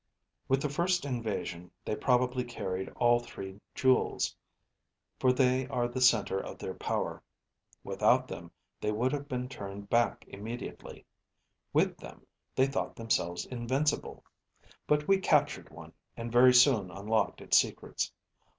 With the first invasion, they probably carried all three jewels, for they are the center of their power. Without them, they would have been turned back immediately. With them, they thought themselves invincible. But we captured one, and very soon unlocked its secrets.